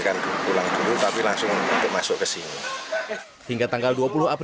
yang harus menjalani apa yang diunikan dari pemerintah juga